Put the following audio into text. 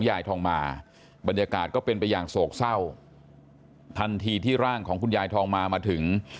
ยายทองมาบรรยากาศก็เป็นไปอย่างโศกเศร้าทันทีที่ร่างของคุณยายทองมามาถึง